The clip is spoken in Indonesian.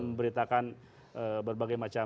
memberitakan berbagai macam